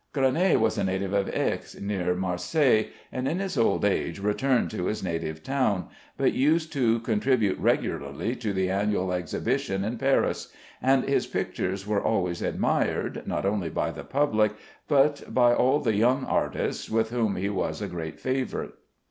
Granet was a native of Aix, near Marseilles, and in his old age returned to his native town, but used to contribute regularly to the annual exhibition in Paris; and his pictures were always admired, not only by the public, but by all the young artists, with whom he was a great favorite.